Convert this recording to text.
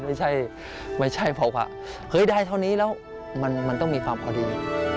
ไม่ใช่บอกว่าได้เท่านี้แล้วมันต้องมีความพอดี